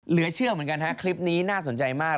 เหลือเชื่อเหมือนกันฮะคลิปนี้น่าสนใจมาก